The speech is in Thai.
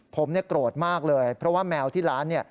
ผมโกรธมากเลยเพราะว่าแมวที่ร้านเนี่ย